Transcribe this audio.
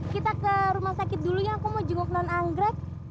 kita ke rumah sakit dulu ya aku mau jenguk non anggrek